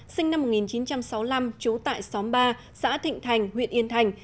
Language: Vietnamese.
sinh năm một nghìn chín trăm sáu mươi năm trú tại xóm ba xã thịnh thành huyện yên thành